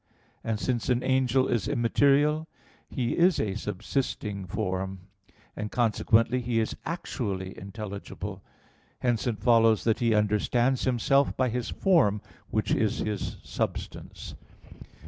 And since an angel is immaterial, he is a subsisting form; and, consequently, he is actually intelligible. Hence it follows that he understands himself by his form, which is his substance.